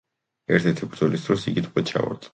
ერთ-ერთი ბრძოლის დრო იგი ტყვედ ჩავარდა.